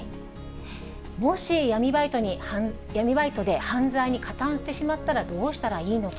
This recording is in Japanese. もし闇バイトで犯罪に加担してしまったらどうしたらいいのか。